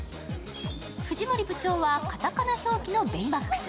藤森部長はカタカナ表記のベイマックス。